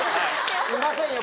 いませんよ